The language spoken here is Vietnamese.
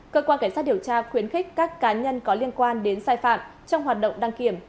cơ quan cảnh sát điều tra khuyến khích các cá nhân có liên quan đến sai phạm trong hoạt động đăng kiểm